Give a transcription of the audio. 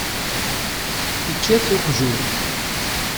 Ičča-t uqjun.